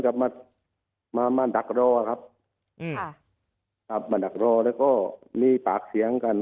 กลับมามาดักรอครับอืมค่ะครับมาดักรอแล้วก็มีปากเสียงกัน